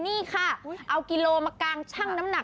นี่ค่ะเอากิโลมากางชั่งน้ำหนัก